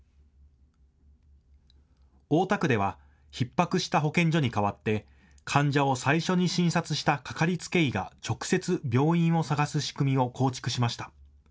大田区ではひっ迫した保健所に代わって患者を最初に診察したかかりつけ医が直接、病院を探す仕組みを構築しました。